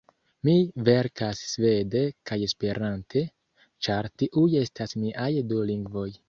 Mi verkas svede kaj Esperante, ĉar tiuj estas miaj du lingvoj.